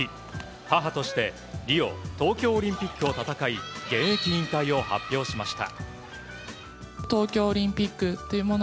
母としてリオ、東京オリンピックを戦い現役引退を発表しました。